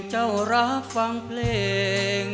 เจ้ารักษ์ฟังเพลง